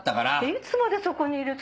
いつまでそこにいるつもりよ。